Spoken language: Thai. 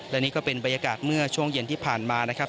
และนี่ก็เป็นบรรยากาศเมื่อช่วงเย็นที่ผ่านมานะครับ